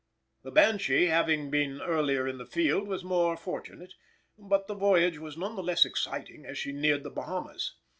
The Banshee having been earlier in the field was more fortunate, but the voyage was none the less exciting as she neared the Bahamas.